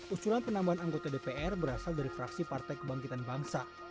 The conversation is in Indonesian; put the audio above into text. usulan penambahan anggota dpr berasal dari fraksi partai kebangkitan bangsa